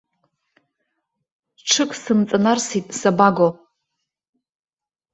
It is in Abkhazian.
Ҽык сымҵанарсит сабаго?